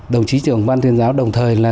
đồng chí trưởng bang tuyên giáo đồng thời là